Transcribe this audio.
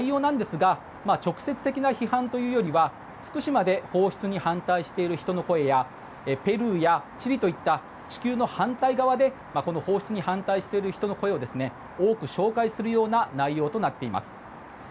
その内容なんですが直接的な批判というよりは福島で放出に反対しているという声やペルーやチリといった地球の反対側で放出に反対している人の声を多く紹介するような内容となっています。